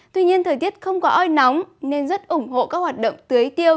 tuy nhiên thời tiết không có oi nóng nên rất ủng hộ các hoạt động tưới tiêu